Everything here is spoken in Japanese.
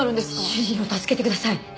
主人を助けてください！